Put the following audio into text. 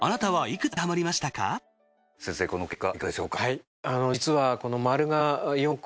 先生この結果いかがでしょうか？